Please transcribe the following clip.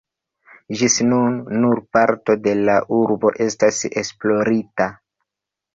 Ĝis nun, nur parto de la urbo estas esplorita.